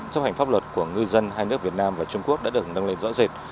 chấp hành pháp luật của ngư dân hai nước việt nam và trung quốc đã được nâng lên rõ rệt